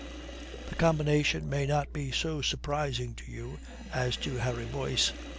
The combination may not be so surprising to you as to Harry Boyce.